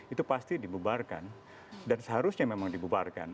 itu pasti dibubarkan dan seharusnya memang dibubarkan